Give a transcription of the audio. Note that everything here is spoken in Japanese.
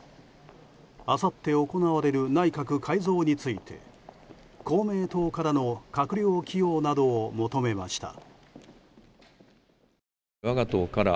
あさって行われる内閣改造について公明党からの閣僚起用などを求めました。